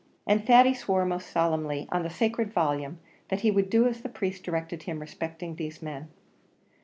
And Thady swore most solemnly, on the sacred volume, that he would do as the priest directed him respecting these men.